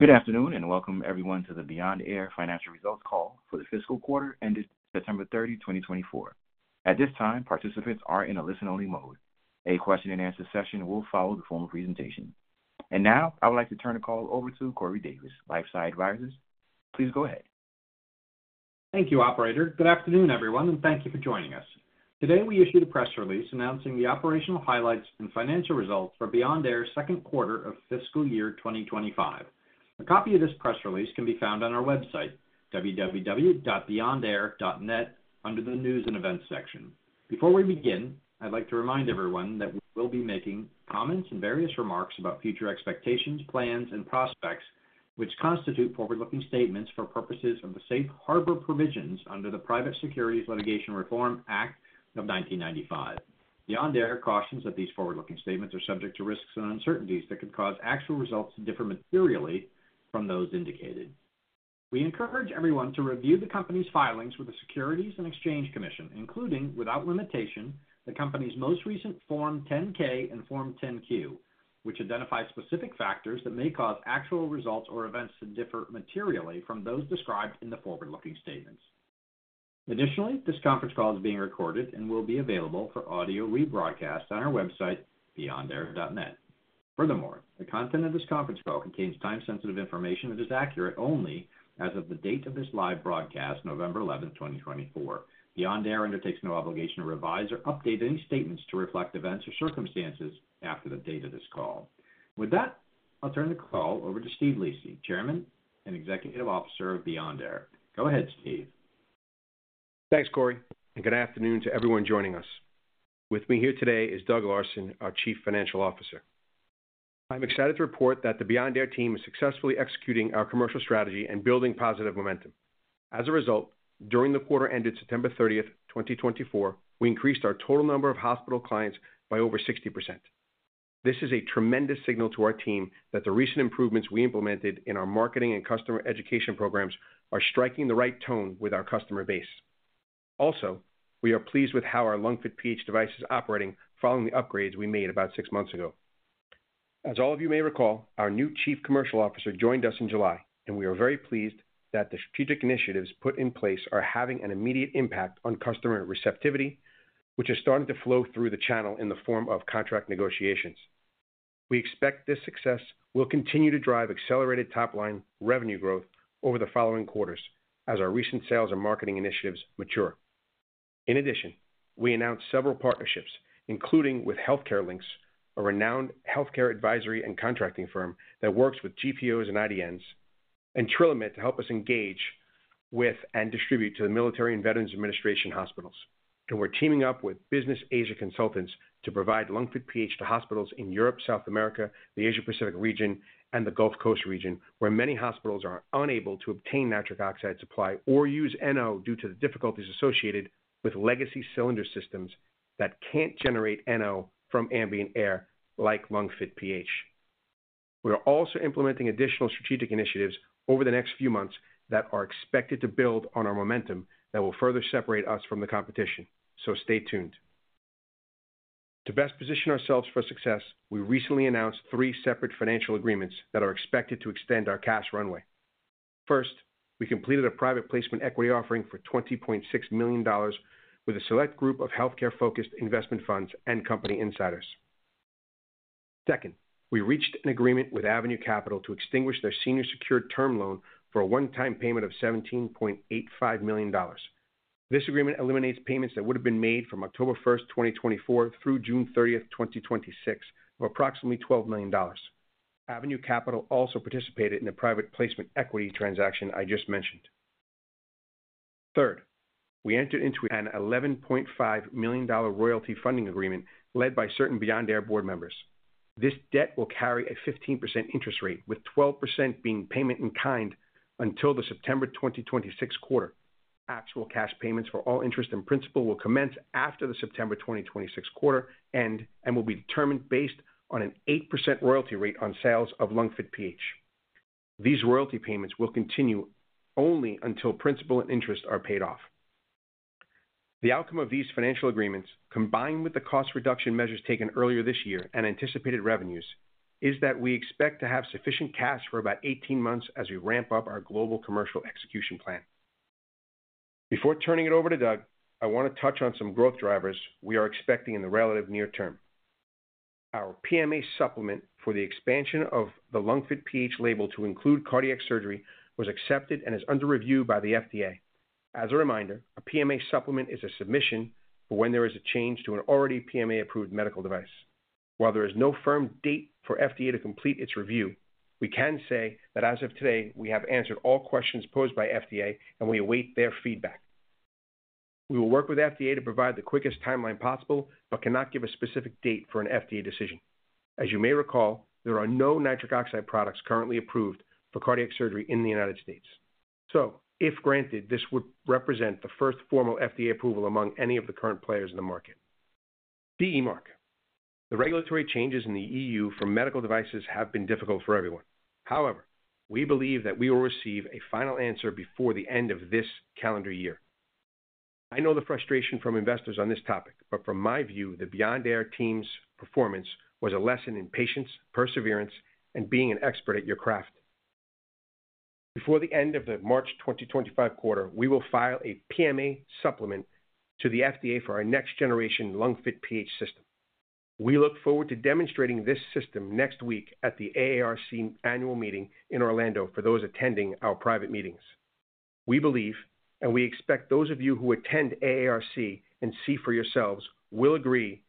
Good afternoon and welcome everyone to the Beyond Air Financial Results Call for the fiscal quarter ended September 30, 2024. At this time, participants are in a listen-only mode. A question-and-answer session will follow the formal presentation. And now, I would like to turn the call over to Corey Davis, LifeSci Advisors. Please go ahead. Thank you, Operator. Good afternoon, everyone, and thank you for joining us. Today, we issue the press release announcing the operational highlights and financial results for Beyond Air's second quarter of fiscal year 2025. A copy of this press release can be found on our website, www.beyondair.net, under the News and Events section. Before we begin, I'd like to remind everyone that we will be making comments and various remarks about future expectations, plans, and prospects, which constitute forward-looking statements for purposes of the safe harbor provisions under the Private Securities Litigation Reform Act of 1995. Beyond Air cautions that these forward-looking statements are subject to risks and uncertainties that could cause actual results to differ materially from those indicated. We encourage everyone to review the company's filings with the Securities and Exchange Commission, including, without limitation, the company's most recent Form 10-K and Form 10-Q, which identify specific factors that may cause actual results or events to differ materially from those described in the forward-looking statements. Additionally, this conference call is being recorded and will be available for audio rebroadcast on our website, beyondair.net. Furthermore, the content of this conference call contains time-sensitive information that is accurate only as of the date of this live broadcast, November 11, 2024. Beyond Air undertakes no obligation to revise or update any statements to reflect events or circumstances after the date of this call. With that, I'll turn the call over to Steve Lisi, Chairman and Chief Executive Officer of Beyond Air. Go ahead, Steve. Thanks, Corey. And good afternoon to everyone joining us. With me here today is Doug Larson, our Chief Financial Officer. I'm excited to report that the Beyond Air team is successfully executing our commercial strategy and building positive momentum. As a result, during the quarter ended September 30, 2024, we increased our total number of hospital clients by over 60%. This is a tremendous signal to our team that the recent improvements we implemented in our marketing and customer education programs are striking the right tone with our customer base. Also, we are pleased with how our LungFit PH device is operating following the upgrades we made about six months ago. As all of you may recall, our new Chief Commercial Officer joined us in July, and we are very pleased that the strategic initiatives put in place are having an immediate impact on customer receptivity, which is starting to flow through the channel in the form of contract negotiations. We expect this success will continue to drive accelerated top-line revenue growth over the following quarters as our recent sales and marketing initiatives mature. In addition, we announced several partnerships, including with HealthCare Links, a renowned healthcare advisory and contracting firm that works with GPOs and IDNs, and TrillaMed to help us engage with and distribute to the Military and Veterans Administration hospitals. And we're teaming up with Business Asia Consultants to provide LungFit PH to hospitals in Europe, South America, the Asia-Pacific region, and the Gulf Coast region, where many hospitals are unable to obtain nitric oxide supply or use NO due to the difficulties associated with legacy cylinder systems that can't generate NO from ambient air like LungFit PH. We are also implementing additional strategic initiatives over the next few months that are expected to build on our momentum that will further separate us from the competition. So stay tuned. To best position ourselves for success, we recently announced three separate financial agreements that are expected to extend our cash runway. First, we completed a private placement equity offering for $20.6 million with a select group of healthcare-focused investment funds and company insiders. Second, we reached an agreement with Avenue Capital to extinguish their senior secured term loan for a one-time payment of $17.85 million. This agreement eliminates payments that would have been made from October 1, 2024, through June 30, 2026, of approximately $12 million. Avenue Capital also participated in the private placement equity transaction I just mentioned. Third, we entered into an $11.5 million royalty funding agreement led by certain Beyond Air board members. This debt will carry a 15% interest rate, with 12% being payment in kind until the September 2026 quarter. Actual cash payments for all interest and principal will commence after the September 2026 quarter end and will be determined based on an 8% royalty rate on sales of LungFit PH. These royalty payments will continue only until principal and interest are paid off. The outcome of these financial agreements, combined with the cost reduction measures taken earlier this year and anticipated revenues, is that we expect to have sufficient cash for about 18 months as we ramp up our global commercial execution plan. Before turning it over to Doug, I want to touch on some growth drivers we are expecting in the relative near term. Our PMA supplement for the expansion of the LungFit PH label to include cardiac surgery was accepted and is under review by the FDA. As a reminder, a PMA supplement is a submission for when there is a change to an already PMA-approved medical device. While there is no firm date for FDA to complete its review, we can say that as of today, we have answered all questions posed by FDA, and we await their feedback. We will work with FDA to provide the quickest timeline possible but cannot give a specific date for an FDA decision. As you may recall, there are no nitric oxide products currently approved for cardiac surgery in the United States. So, if granted, this would represent the first formal FDA approval among any of the current players in the market. CE Mark. The regulatory changes in the EU for medical devices have been difficult for everyone. However, we believe that we will receive a final answer before the end of this calendar year. I know the frustration from investors on this topic, but from my view, the Beyond Air team's performance was a lesson in patience, perseverance, and being an expert at your craft. Before the end of the March 2025 quarter, we will file a PMA supplement to the FDA for our next-generation LungFit PH system. We look forward to demonstrating this system next week at the AARC annual meeting in Orlando for those attending our private meetings. We believe, and we expect those of you who attend AARC and see for yourselves will agree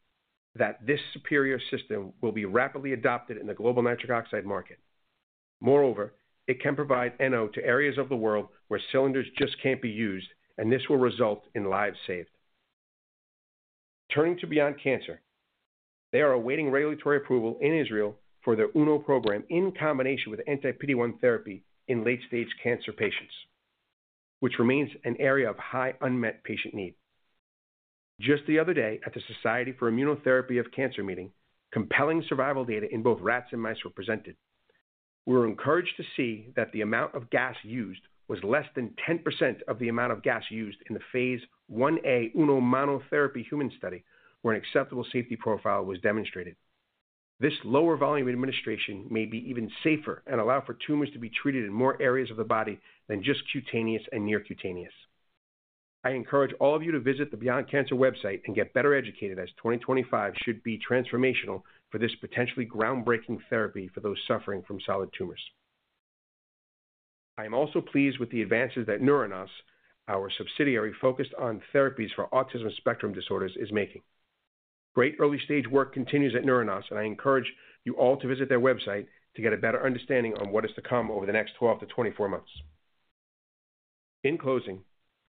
that this superior system will be rapidly adopted in the global nitric oxide market. Moreover, it can provide NO to areas of the world where cylinders just can't be used, and this will result in lives saved. Turning to Beyond Cancer. They are awaiting regulatory approval in Israel for their UNO program in combination with anti-PD-1 therapy in late-stage cancer patients, which remains an area of high unmet patient need. Just the other day at the Society for Immunotherapy of Cancer meeting, compelling survival data in both rats and mice were presented. We were encouraged to see that the amount of gas used was less than 10% of the amount of gas used in the Phase 1a UNO monotherapy human study where an acceptable safety profile was demonstrated. This lower volume administration may be even safer and allow for tumors to be treated in more areas of the body than just cutaneous and near cutaneous. I encourage all of you to visit the Beyond Cancer website and get better educated as 2025 should be transformational for this potentially groundbreaking therapy for those suffering from solid tumors. I am also pleased with the advances that NeuroNOS, our subsidiary focused on therapies for autism spectrum disorders, is making. Great early-stage work continues at NeuroNOS, and I encourage you all to visit their website to get a better understanding on what is to come over the next 12 months-24 months. In closing,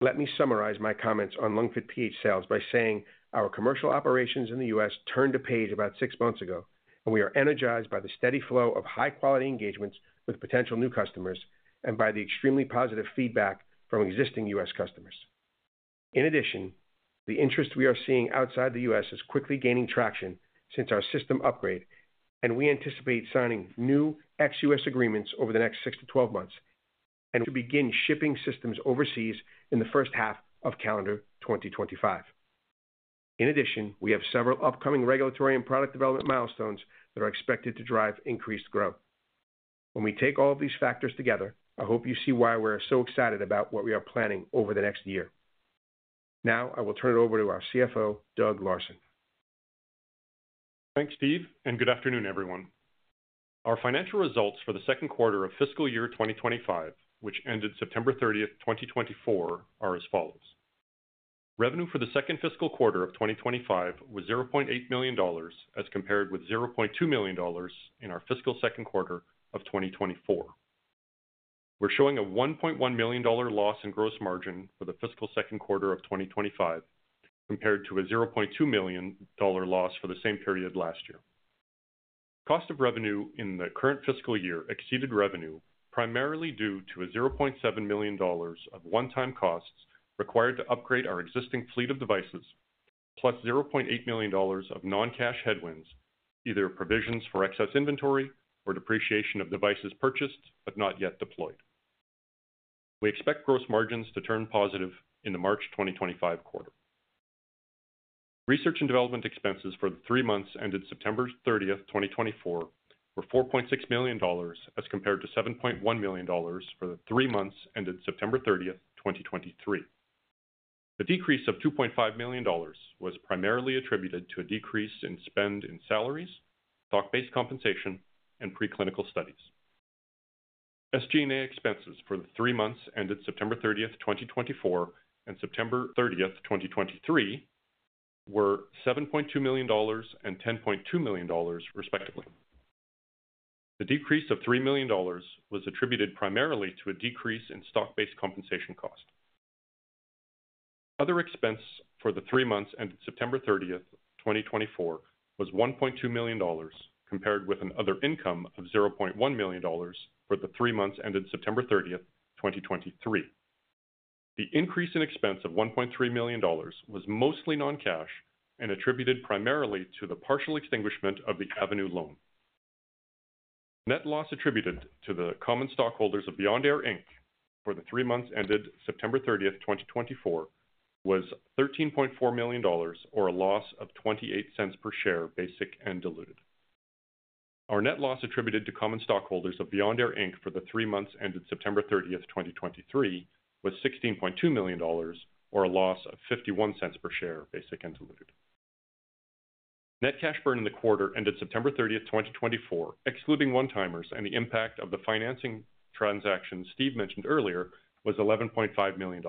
let me summarize my comments on LungFit PH sales by saying our commercial operations in the U.S. turned a page about six months ago, and we are energized by the steady flow of high-quality engagements with potential new customers and by the extremely positive feedback from existing U.S. customers. In addition, the interest we are seeing outside the U.S. is quickly gaining traction since our system upgrade, and we anticipate signing new ex-U.S. agreements over the next six to 12 months and to begin shipping systems overseas in the first half of calendar 2025. In addition, we have several upcoming regulatory and product development milestones that are expected to drive increased growth. When we take all of these factors together, I hope you see why we're so excited about what we are planning over the next year. Now, I will turn it over to our CFO, Doug Larson. Thanks, Steve, and good afternoon, everyone. Our financial results for the second quarter of fiscal year 2025, which ended September 30, 2024, are as follows. Revenue for the second fiscal quarter of 2025 was $0.8 million as compared with $0.2 million in our fiscal second quarter of 2024. We're showing a $1.1 million loss in gross margin for the fiscal second quarter of 2025 compared to a $0.2 million loss for the same period last year. Cost of revenue in the current fiscal year exceeded revenue primarily due to a $0.7 million of one-time costs required to upgrade our existing fleet of devices, plus $0.8 million of non-cash headwinds, either provisions for excess inventory or depreciation of devices purchased but not yet deployed. We expect gross margins to turn positive in the March 2025 quarter. Research and development expenses for the three months ended September 30, 2024, were $4.6 million as compared to $7.1 million for the three months ended September 30, 2023. The decrease of $2.5 million was primarily attributed to a decrease in spend in salaries, stock-based compensation, and preclinical studies. SG&A expenses for the three months ended September 30, 2024, and September 30, 2023, were $7.2 million and $10.2 million, respectively. The decrease of $3 million was attributed primarily to a decrease in stock-based compensation cost. Other expense for the three months ended September 30, 2024, was $1.2 million compared with an other income of $0.1 million for the three months ended September 30, 2023. The increase in expense of $1.3 million was mostly non-cash and attributed primarily to the partial extinguishment of the Avenue loan. Net loss attributed to the common stockholders of Beyond Air, Inc., for the three months ended September 30, 2024, was $13.4 million, or a loss of $0.28 per share, basic and diluted. Our net loss attributed to common stockholders of Beyond Air, Inc., for the three months ended September 30, 2023, was $16.2 million, or a loss of $0.51 per share, basic and diluted. Net cash burn in the quarter ended September 30, 2024, excluding one-timers, and the impact of the financing transaction Steve mentioned earlier was $11.5 million.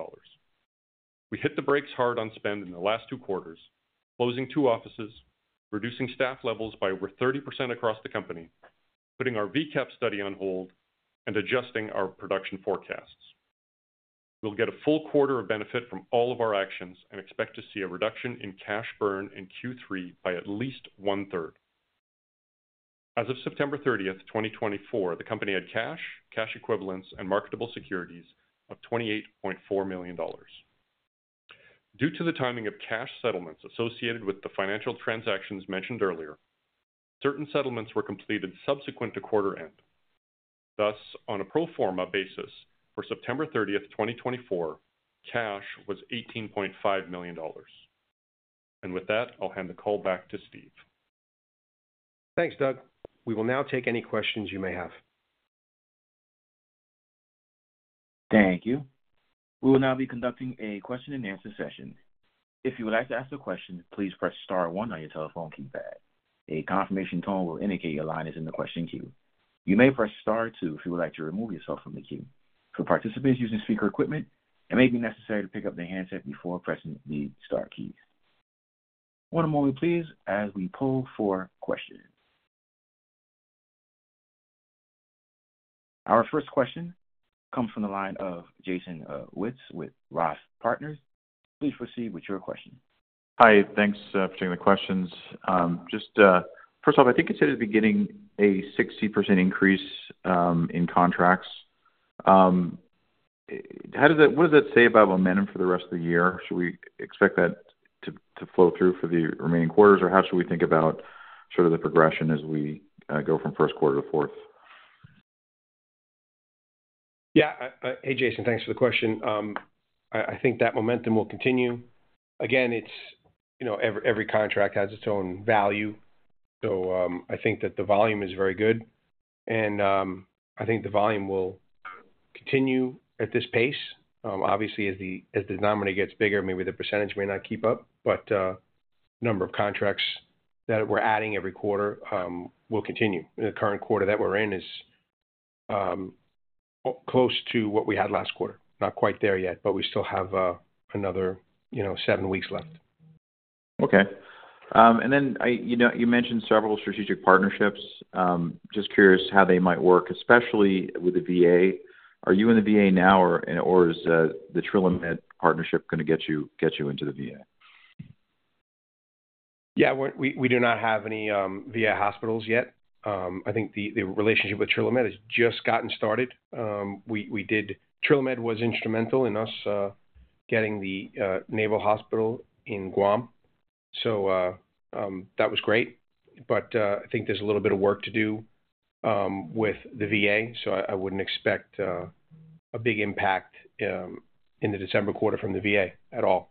We hit the brakes hard on spend in the last two quarters, closing two offices, reducing staff levels by over 30% across the company, putting our VCAP study on hold, and adjusting our production forecasts. We'll get a full quarter of benefit from all of our actions and expect to see a reduction in cash burn in Q3 by at least one-third. As of September 30, 2024, the company had cash, cash equivalents, and marketable securities of $28.4 million. Due to the timing of cash settlements associated with the financial transactions mentioned earlier, certain settlements were completed subsequent to quarter end. Thus, on a pro forma basis, for September 30, 2024, cash was $18.5 million. And with that, I'll hand the call back to Steve. Thanks, Doug. We will now take any questions you may have. Thank you. We will now be conducting a question-and-answer session. If you would like to ask a question, please press star one on your telephone keypad. A confirmation tone will indicate your line is in the question queue. You may press star two if you would like to remove yourself from the queue. For participants using speaker equipment, it may be necessary to pick up their handset before pressing the star keys. One moment, please, as we pull for questions. Our first question comes from the line of Jason Wittes with Roth Partners. Please proceed with your question. Hi. Thanks for taking the questions. Just first off, I think you said at the beginning a 60% increase in contracts. What does that say about momentum for the rest of the year? Should we expect that to flow through for the remaining quarters, or how should we think about sort of the progression as we go from first quarter to fourth? Yeah. Hey, Jason, thanks for the question. I think that momentum will continue. Again, every contract has its own value. So I think that the volume is very good, and I think the volume will continue at this pace. Obviously, as the denominator gets bigger, maybe the percentage may not keep up, but the number of contracts that we're adding every quarter will continue. The current quarter that we're in is close to what we had last quarter. Not quite there yet, but we still have another seven weeks left. Okay. And then you mentioned several strategic partnerships. Just curious how they might work, especially with the VA. Are you in the VA now, or is the TrillaMed partnership going to get you into the VA? Yeah. We do not have any VA hospitals yet. I think the relationship with TrillaMed has just gotten started. TrillaMed was instrumental in us getting the Naval Hospital in Guam. So that was great. But I think there's a little bit of work to do with the VA, so I wouldn't expect a big impact in the December quarter from the VA at all.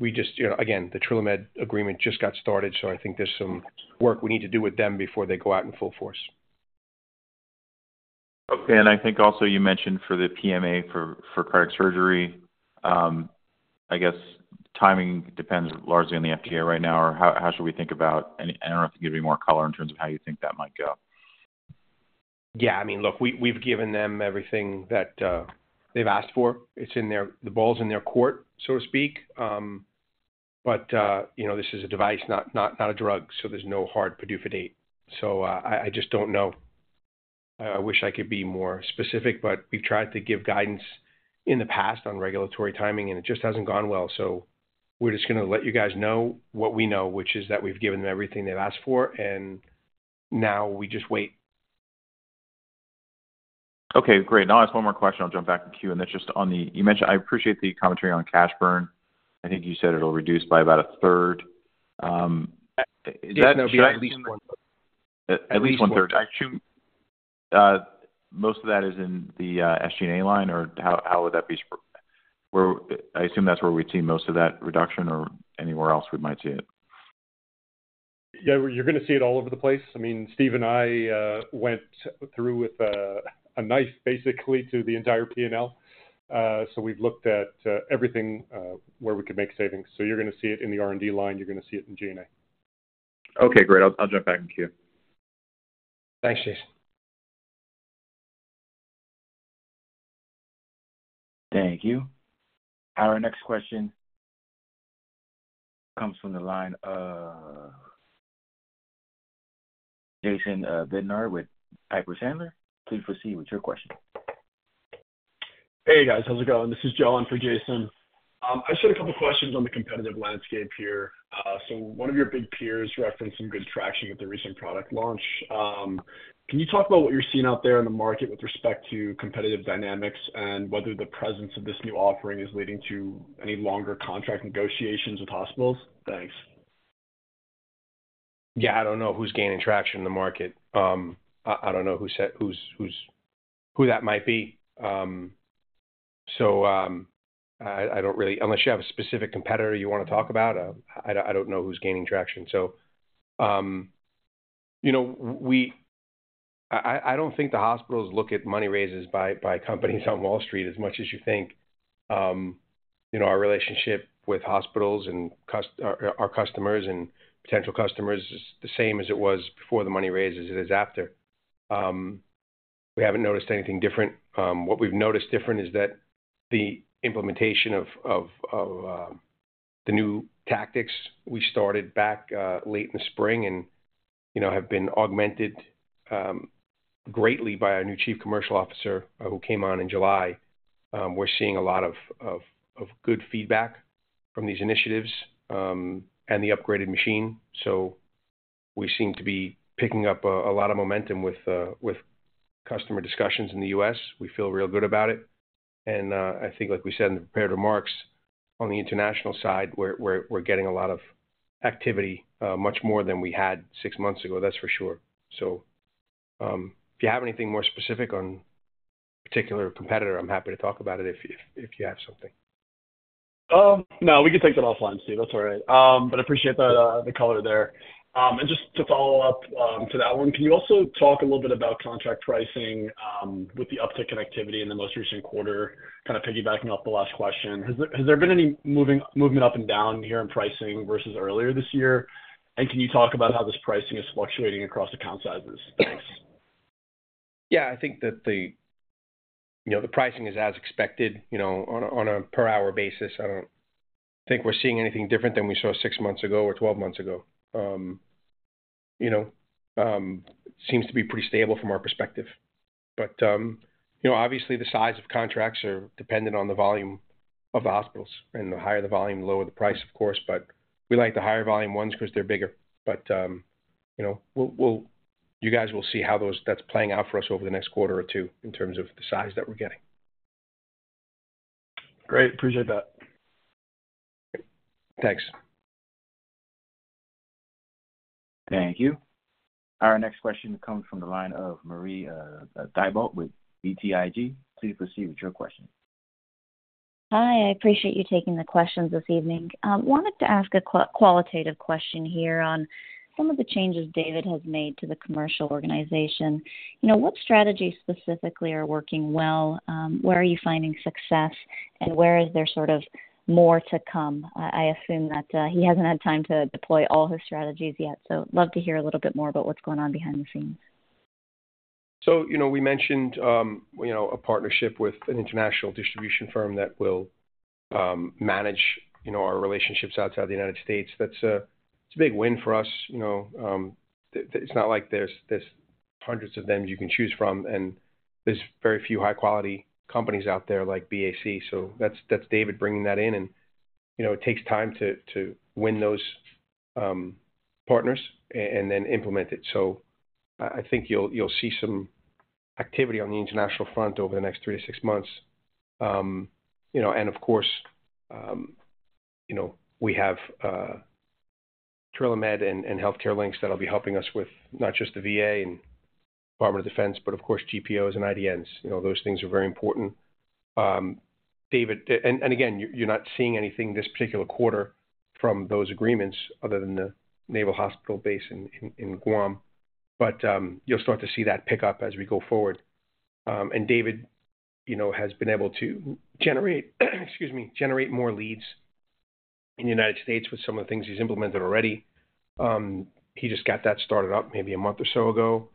Again, the TrillaMed agreement just got started, so I think there's some work we need to do with them before they go out in full force. Okay, and I think also you mentioned for the PMA for cardiac surgery. I guess timing depends largely on the FDA right now, or how should we think about, and I don't know if you can give me more color in terms of how you think that might go? Yeah. I mean, look, we've given them everything that they've asked for. The ball's in their court, so to speak. But this is a device, not a drug, so there's no hard PDUFA date. So I just don't know. I wish I could be more specific, but we've tried to give guidance in the past on regulatory timing, and it just hasn't gone well. So we're just going to let you guys know what we know, which is that we've given them everything they've asked for, and now we just wait. Okay. Great. I'll ask one more question. I'll jump back in queue. And that's just on the - I appreciate the commentary on cash burn. I think you said it'll reduce by about a third. Is that - Yes, no, at least one-third. Most of that is in the SG&A line, or how would that be? I assume that's where we'd see most of that reduction, or anywhere else we might see it. Yeah. You're going to see it all over the place. I mean, Steve and I went through with a knife, basically, to the entire P&L. So we've looked at everything where we could make savings. So you're going to see it in the R&D line. You're going to see it in G&A. Okay. Great. I'll jump back in queue. Thanks, Jason. Thank you. Our next question comes from the line of Jason Bednar with Piper Sandler. Please proceed with your question. Hey, guys. How's it going? This is John for Jason. I just had a couple of questions on the competitive landscape here. So one of your big peers referenced some good traction with the recent product launch. Can you talk about what you're seeing out there in the market with respect to competitive dynamics and whether the presence of this new offering is leading to any longer contract negotiations with hospitals? Thanks. Yeah. I don't know who's gaining traction in the market. I don't know who that might be. So unless you have a specific competitor you want to talk about, I don't know who's gaining traction. So I don't think the hospitals look at money raises by companies on Wall Street as much as you think. Our relationship with hospitals and our customers and potential customers is the same as it was before the money raises. It is after. We haven't noticed anything different. What we've noticed different is that the implementation of the new tactics we started back late in the spring and have been augmented greatly by our new Chief Commercial Officer who came on in July. We're seeing a lot of good feedback from these initiatives and the upgraded machine. So we seem to be picking up a lot of momentum with customer discussions in the U.S. We feel real good about it, and I think, like we said in the prepared remarks, on the international side, we're getting a lot of activity, much more than we had six months ago, that's for sure, so if you have anything more specific on a particular competitor, I'm happy to talk about it if you have something. No, we can take that offline, Steve. That's all right. But I appreciate the color there. And just to follow up to that one, can you also talk a little bit about contract pricing with the uptick in activity in the most recent quarter, kind of piggybacking off the last question? Has there been any movement up and down here in pricing versus earlier this year? And can you talk about how this pricing is fluctuating across account sizes? Thanks. Yeah. I think that the pricing is as expected on a per-hour basis. I don't think we're seeing anything different than we saw six months ago or 12 months ago. It seems to be pretty stable from our perspective. But obviously, the size of contracts are dependent on the volume of the hospitals. And the higher the volume, the lower the price, of course. But we like the higher volume ones because they're bigger. But you guys will see how that's playing out for us over the next quarter or two in terms of the size that we're getting. Great. Appreciate that. Thanks. Thank you. Our next question comes from the line of Marie Thibault with BTIG. Please proceed with your question. Hi. I appreciate you taking the questions this evening. I wanted to ask a qualitative question here on some of the changes David has made to the commercial organization. What strategies specifically are working well? Where are you finding success, and where is there sort of more to come? I assume that he hasn't had time to deploy all his strategies yet. So I'd love to hear a little bit more about what's going on behind the scenes. So we mentioned a partnership with an international distribution firm that will manage our relationships outside the United States. That's a big win for us. It's not like there's hundreds of them you can choose from, and there's very few high-quality companies out there like BAC. So that's David bringing that in. And it takes time to win those partners and then implement it. So I think you'll see some activity on the international front over the next three to six months. And of course, we have TrillaMed and HealthCare Links that'll be helping us with not just the VA and Department of Defense, but of course, GPOs and IDNs. Those things are very important. And again, you're not seeing anything this particular quarter from those agreements other than the Naval Hospital base in Guam. But you'll start to see that pick up as we go forward. And David has been able to generate more leads in the United States with some of the things he's implemented already. He just got that started up maybe a month or so ago.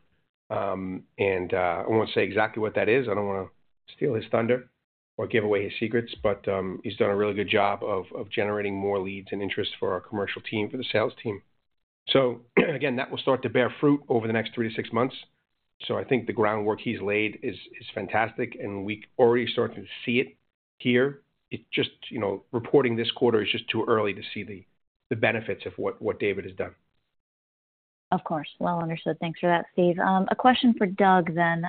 And I won't say exactly what that is. I don't want to steal his thunder or give away his secrets, but he's done a really good job of generating more leads and interest for our commercial team, for the sales team. So again, that will start to bear fruit over the next three to six months. So I think the groundwork he's laid is fantastic, and we're already starting to see it here. Reporting this quarter is just too early to see the benefits of what David has done. Of course. Well understood. Thanks for that, Steve. A question for Doug then.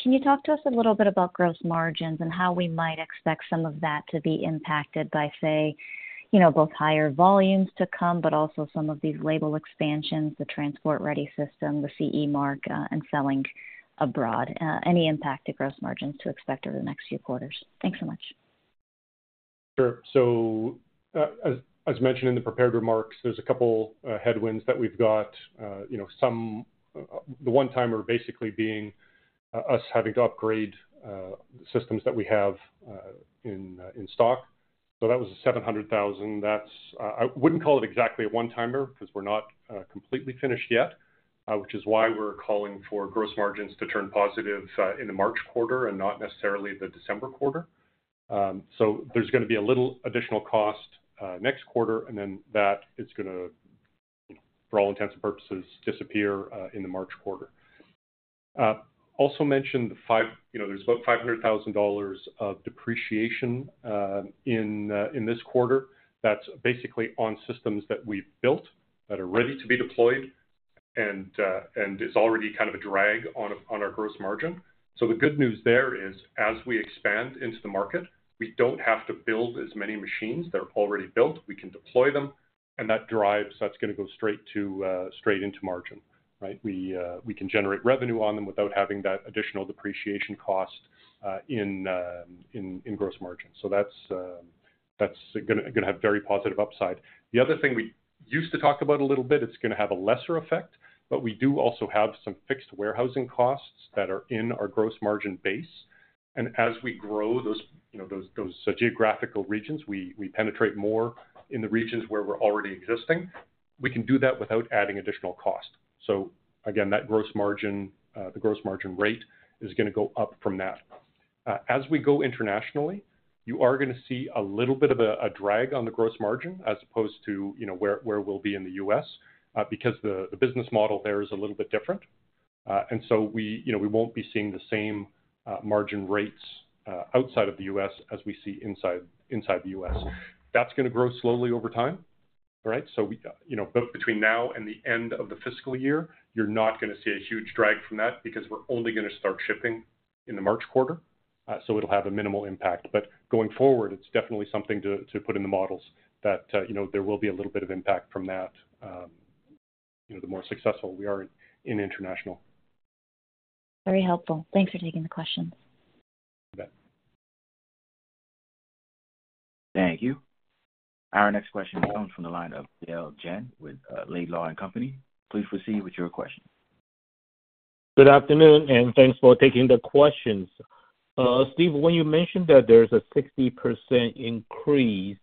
Can you talk to us a little bit about gross margins and how we might expect some of that to be impacted by, say, both higher volumes to come, but also some of these label expansions, the transport-ready system, the CE Mark, and selling abroad? Any impact to gross margins to expect over the next few quarters? Thanks so much. Sure. So as mentioned in the prepared remarks, there's a couple of headwinds that we've got. The one-timer basically being us having to upgrade the systems that we have in stock. So that was $700,000. I wouldn't call it exactly a one-timer because we're not completely finished yet, which is why we're calling for gross margins to turn positive in the March quarter and not necessarily the December quarter. So there's going to be a little additional cost next quarter, and then that is going to, for all intents and purposes, disappear in the March quarter. Also mentioned there's about $500,000 of depreciation in this quarter. That's basically on systems that we've built that are ready to be deployed and is already kind of a drag on our gross margin. So the good news there is, as we expand into the market, we don't have to build as many machines. They're already built. We can deploy them, and that's going to go straight into margin. We can generate revenue on them without having that additional depreciation cost in gross margin. So that's going to have very positive upside. The other thing we used to talk about a little bit, it's going to have a lesser effect, but we do also have some fixed warehousing costs that are in our gross margin base. And as we grow those geographical regions, we penetrate more in the regions where we're already existing. We can do that without adding additional cost. So again, the gross margin rate is going to go up from that. As we go internationally, you are going to see a little bit of a drag on the gross margin as opposed to where we'll be in the U.S. because the business model there is a little bit different. And so we won't be seeing the same margin rates outside of the U.S. as we see inside the U.S. That's going to grow slowly over time. All right? So between now and the end of the fiscal year, you're not going to see a huge drag from that because we're only going to start shipping in the March quarter. So it'll have a minimal impact. But going forward, it's definitely something to put in the models that there will be a little bit of impact from that, the more successful we are in international. Very helpful. Thanks for taking the questions. Thank you. Our next question comes from the line of Yale Jen with Laidlaw & Company. Please proceed with your question. Good afternoon, and thanks for taking the questions. Steve, when you mentioned that there's a 60% increase,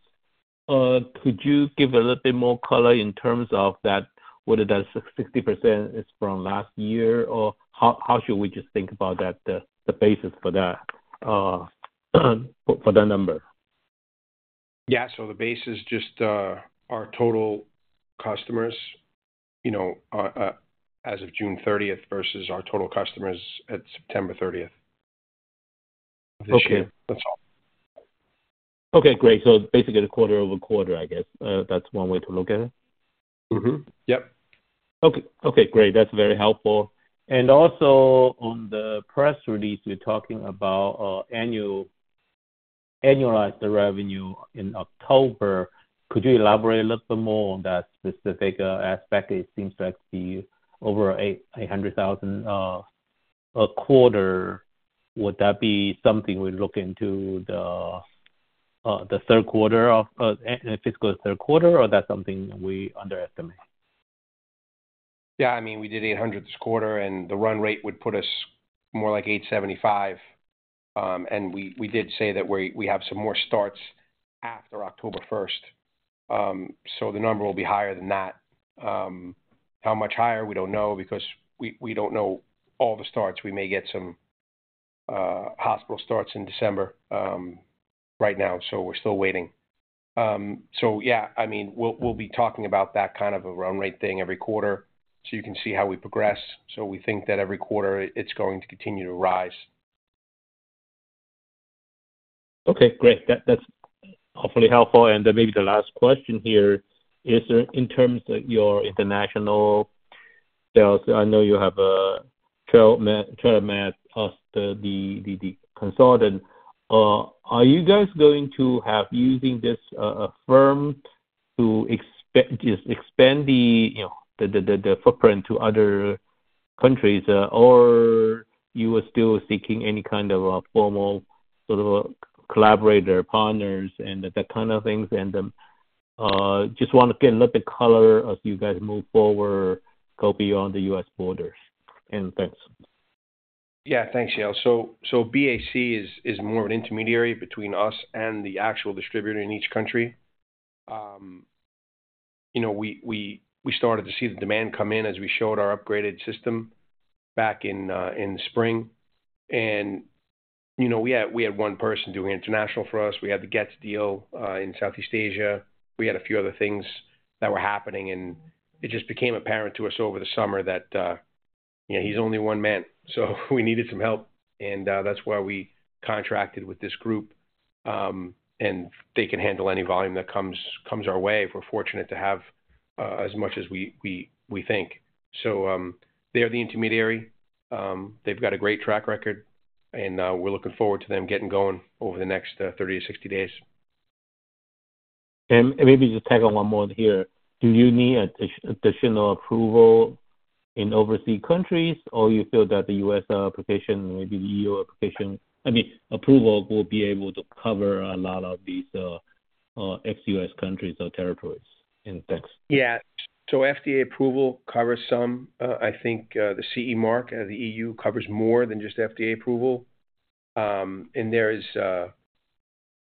could you give a little bit more color in terms of whether that 60% is from last year, or how should we just think about the basis for that number? Yeah. So the basis is just our total customers as of June 30th versus our total customers at September 30th. That's all. Okay. Great. So basically, the quarter-over-quarter, I guess. That's one way to look at it. Yep. Okay. Okay. Great. That's very helpful. And also on the press release, you're talking about annualized revenue in October. Could you elaborate a little bit more on that specific aspect? It seems like over $800,000 a quarter. Would that be something we look into the fiscal third quarter, or that's something we underestimate? Yeah. I mean, we did 800 this quarter, and the run rate would put us more like 875. And we did say that we have some more starts after October 1st. So the number will be higher than that. How much higher, we don't know because we don't know all the starts. We may get some hospital starts in December right now, so we're still waiting. So yeah, I mean, we'll be talking about that kind of a run rate thing every quarter so you can see how we progress. So we think that every quarter, it's going to continue to rise. Okay. Great. That's hopefully helpful. And maybe the last question here is in terms of your international sales. I know you have TrillaMed as the consultant. Are you guys going to have using this firm to expand the footprint to other countries, or you are still seeking any kind of a formal sort of collaborator, partners, and that kind of thing? And just want to get a little bit of color as you guys move forward, go beyond the U.S. borders. And thanks. Yeah. Thanks, Yale, so BAC is more of an intermediary between us and the actual distributor in each country. We started to see the demand come in as we showed our upgraded system back in spring, and we had one person doing international for us. We had the Getz deal in Southeast Asia. We had a few other things that were happening, and it just became apparent to us over the summer that he's only one man, so we needed some help, and that's why we contracted with this group, and they can handle any volume that comes our way, so we're fortunate to have as much as we think, so they're the intermediary. They've got a great track record, and we're looking forward to them getting going over the next 30 days-60 days. And maybe just tack on one more here. Do you need additional approval in overseas countries, or you feel that the U.S. application, maybe the EU application, I mean, approval will be able to cover a lot of these ex-U.S. countries or territories? And thanks. Yeah. So FDA approval covers some. I think the CE mark and the EU covers more than just FDA approval. And there's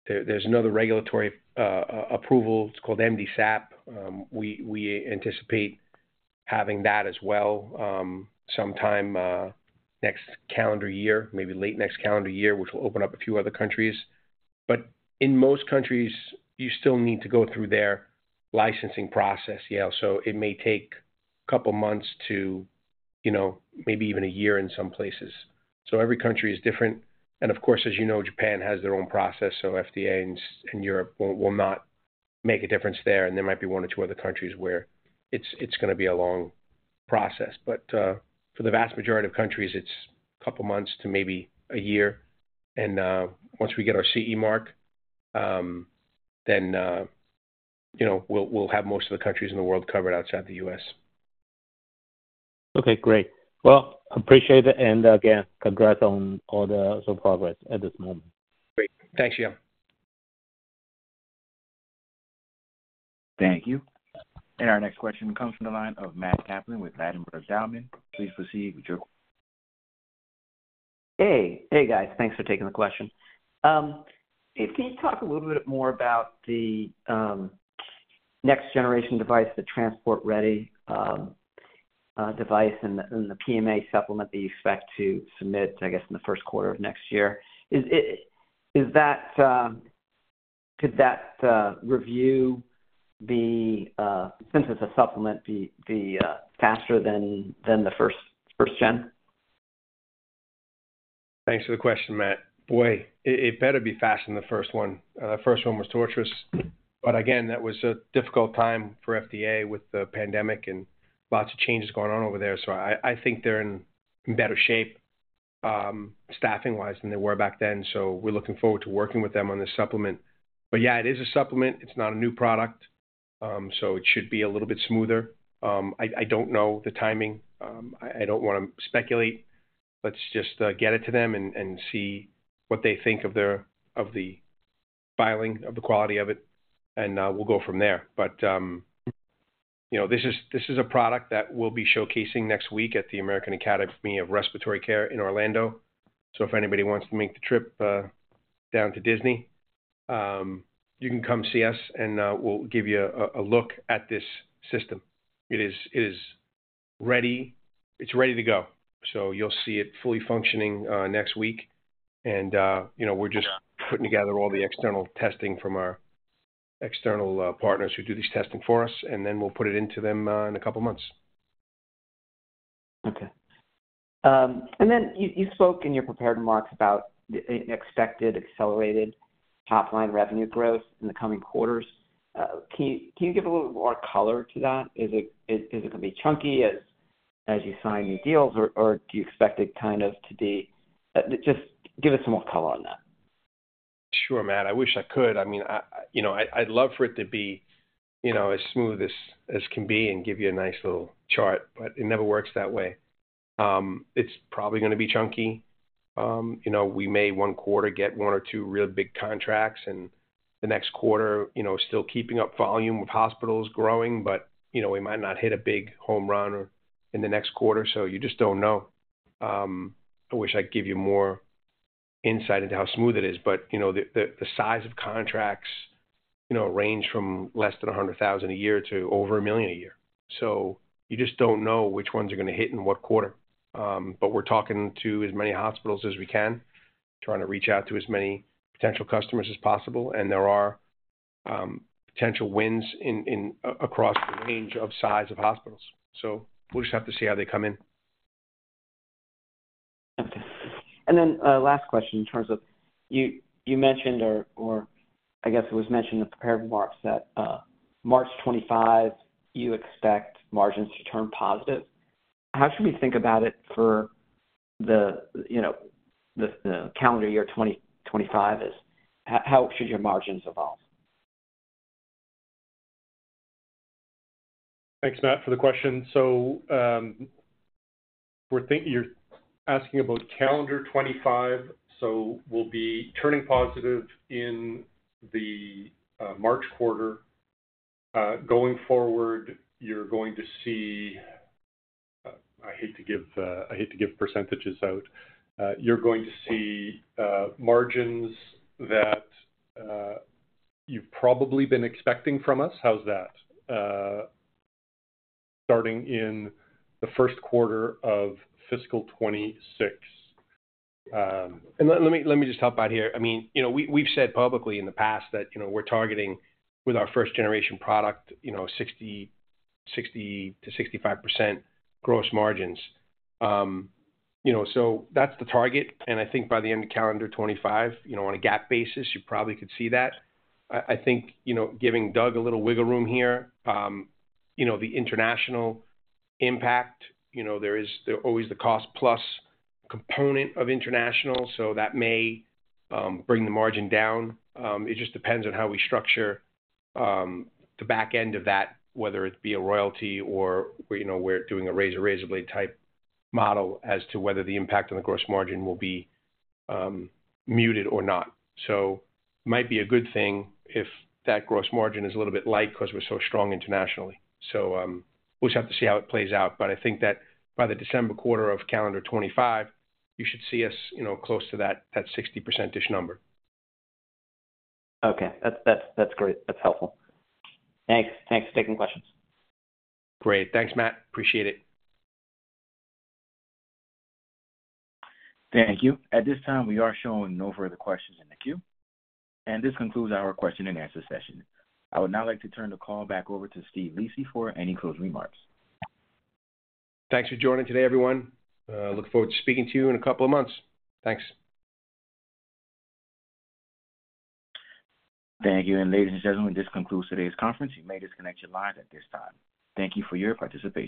another regulatory approval. It's called MDSAP. We anticipate having that as well sometime next calendar year, maybe late next calendar year, which will open up a few other countries. But in most countries, you still need to go through their licensing process, Yale. So it may take a couple of months to maybe even a year in some places. So every country is different. And of course, as you know, Japan has their own process. So FDA and Europe will not make a difference there. And there might be one or two other countries where it's going to be a long process. But for the vast majority of countries, it's a couple of months to maybe a year. Once we get our CE Mark, then we'll have most of the countries in the world covered outside the U.S. Okay. Great. Well, appreciate it. And again, congrats on all the progress at this moment. Great. Thanks, Yale. Thank you. And our next question comes from the line of Matt Kaplan with Ladenburg Thalmann. Please proceed with your. Hey. Hey, guys. Thanks for taking the question. Steve, can you talk a little bit more about the next-generation device, the transport-ready device, and the PMA supplement that you expect to submit, I guess, in the first quarter of next year? Could that review, since it's a supplement, be faster than the first-gen? Thanks for the question, Matt. Boy, it better be faster than the first one. The first one was torturous. But again, that was a difficult time for FDA with the pandemic and lots of changes going on over there. So I think they're in better shape staffing-wise than they were back then. So we're looking forward to working with them on this supplement. But yeah, it is a supplement. It's not a new product. So it should be a little bit smoother. I don't know the timing. I don't want to speculate. Let's just get it to them and see what they think of the filing, of the quality of it. And we'll go from there. But this is a product that we'll be showcasing next week at the American Association for Respiratory Care in Orlando. So if anybody wants to make the trip down to Disney, you can come see us, and we'll give you a look at this system. It is ready. It's ready to go. So you'll see it fully functioning next week. And we're just putting together all the external testing from our external partners who do this testing for us. And then we'll put it into them in a couple of months. Okay. And then you spoke in your prepared remarks about expected accelerated top-line revenue growth in the coming quarters. Can you give a little more color to that? Is it going to be chunky as you sign new deals, or do you expect it kind of to be just give us some more color on that? Sure, Matt. I wish I could. I mean, I'd love for it to be as smooth as can be and give you a nice little chart, but it never works that way. It's probably going to be chunky. We may one quarter get one or two really big contracts, and the next quarter, still keeping up volume with hospitals growing, but we might not hit a big home run in the next quarter. So you just don't know. I wish I could give you more insight into how smooth it is. But the size of contracts range from less than $100,000 a year to over $1 million a year. So you just don't know which ones are going to hit in what quarter. But we're talking to as many hospitals as we can, trying to reach out to as many potential customers as possible. And there are potential wins across the range of size of hospitals. So we'll just have to see how they come in. Okay. And then last question in terms of you mentioned, or I guess it was mentioned in the prepared remarks, that March 25, you expect margins to turn positive. How should we think about it for the calendar year 2025? How should your margins evolve? Thanks, Matt, for the question. So you're asking about calendar 2025. So we'll be turning positive in the March quarter. Going forward, you're going to see, I hate to give percentages out, you're going to see margins that you've probably been expecting from us. How's that? Starting in the first quarter of fiscal 2026. Let me just talk about here. I mean, we've said publicly in the past that we're targeting with our first-generation product 60%-65% gross margins. So that's the target. I think by the end of calendar 2025, on a GAAP basis, you probably could see that. I think giving Doug a little wiggle room here, the international impact, there's always the cost-plus component of international. So that may bring the margin down. It just depends on how we structure the back end of that, whether it be a royalty or we're doing a razor-blade type model as to whether the impact on the gross margin will be muted or not. So it might be a good thing if that gross margin is a little bit light because we're so strong internationally. So we'll just have to see how it plays out. But I think that by the December quarter of calendar 2025, you should see us close to that 60%-ish number. Okay. That's great. That's helpful. Thanks for taking questions. Great. Thanks, Matt. Appreciate it. Thank you. At this time, we are showing no further questions in the queue. And this concludes our question-and-answer session. I would now like to turn the call back over to Steve Lisi for any closing remarks. Thanks for joining today, everyone. Look forward to speaking to you in a couple of months. Thanks. Thank you. And ladies and gentlemen, this concludes today's conference. You may disconnect your lines at this time. Thank you for your participation.